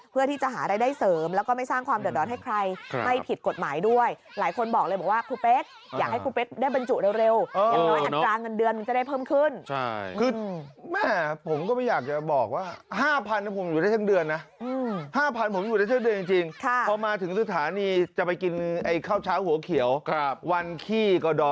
เพื่อที่จะหารายได้เสริมแล้วก็ไม่สร้างความเดือดร้อนให้ใครไม่ผิดกฎหมายด้วยหลายคนบอกเลยบอกว่าครูเป๊กอยากให้ครูเป๊กได้บรรจุเร็วอย่างน้อยอัตราเงินเดือนมันจะได้เพิ่มขึ้นใช่คือแม่ผมก็ไม่อยากจะบอกว่า๕๐๐ผมอยู่ได้ทั้งเดือนนะ๕๐๐ผมอยู่ได้ทั้งเดือนจริงพอมาถึงสถานีจะไปกินไอ้ข้าวเช้าหัวเขียววันขี้ก็ด